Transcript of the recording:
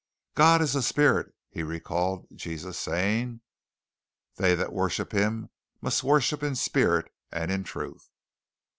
"God is a spirit," he recalled Jesus as saying. "They that worship Him must worship in spirit and in truth."